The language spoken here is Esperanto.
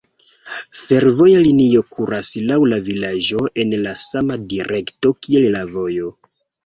Fervoja linio kuras laŭ la vilaĝo en la sama direkto kiel la vojo.